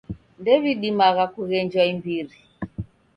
Ndew'idimagha kughenjwa imbiri.